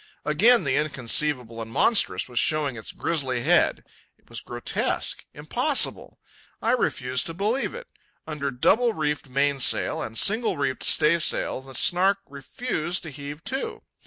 Again the inconceivable and monstrous was showing its grizzly head. It was grotesque, impossible. I refused to believe it. Under double reefed mainsail and single reefed staysail the Snark refused to heave to.